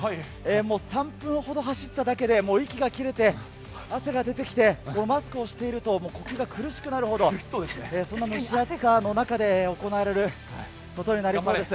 もう３分ほど走っただけで、もう息が切れて、汗が出てきて、もうマスクをしていると、呼吸が苦しくなるほど、そんな蒸し暑さの中で行われることになりそうです。